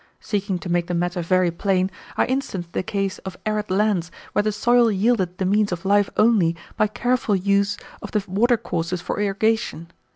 Seeking to make the matter very plain, I instanced the case of arid lands where the soil yielded the means of life only by careful use of the watercourses for irrigation.